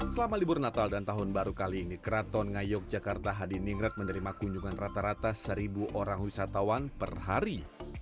selama libur natal dan tahun baru kali ini keraton ngayok jakarta hadi ningrat menerima kunjungan rata rata seribu orang wisatawan per hari